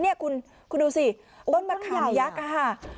นี่คุณดูสิต้นมะขามยักษ์ค่ะ